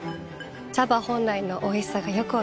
茶葉本来のおいしさがよく分かります。